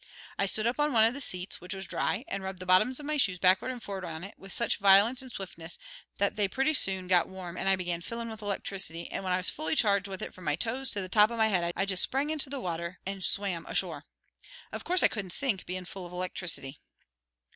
I stood up on one of the seats, which was dry, and rubbed the bottoms of my shoes backward and forward on it with such violence and swiftness that they pretty soon got warm and I began fillin' with electricity, and when I was fully charged with it from my toes to the top of my head, I just sprang into the water and swam ashore. Of course I couldn't sink, bein' full of electricity."